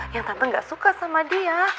yang tante gak suka sama dia